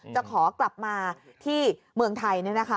จะขอกลับมาที่เมืองไทยเนี่ยนะคะ